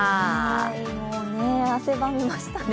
もうね、汗ばみましたね。